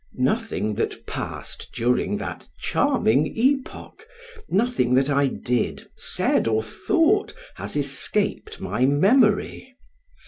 Nothing that passed during that charming epocha, nothing that I did, said, or thought, has escaped my memory.